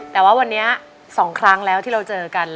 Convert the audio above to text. แต่ว่าวันนี้๒ครั้งแล้วที่เราเจอกัน